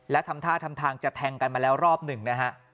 และทำท่าทำทางจะแทงกันมาแล้วรอบหนึ่งนะฮะ